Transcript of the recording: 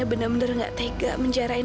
apa yang harus dimaluin